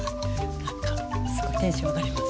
なんかすごいテンション上がります。